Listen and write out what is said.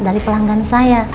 dari pelanggan saya